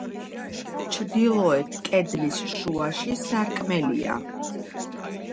ჩრდილოეთ კედლის შუაში სარკმელია.